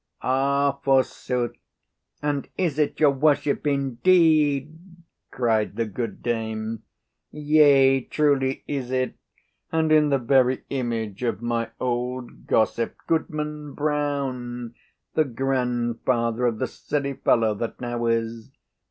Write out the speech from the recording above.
"Ah, forsooth, and is it your worship indeed?" cried the good dame. "Yea, truly is it, and in the very image of my old gossip, Goodman Brown, the grandfather of the silly fellow that now is.